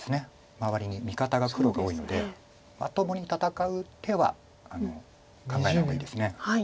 周りに味方が黒が多いのでまともに戦う手は考えない方がいいです。